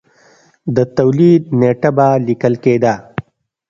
د تولید نېټه به لیکل کېده